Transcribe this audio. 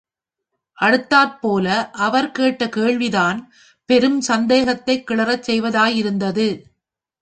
அடுத்தாற்போல அவர் கேட்ட கேள்விதான் பெருஞ் சந்தேகத்தைக் கிளரச் செய்வதாயிருந்தது.